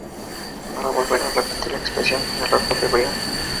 Nada volverá a repetir la expresión en el rostro de Brian".